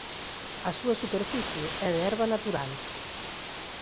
A súa superficie é de herba natural.